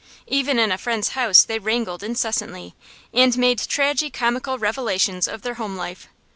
Even in a friend's house they wrangled incessantly, and made tragi comical revelations of their home life.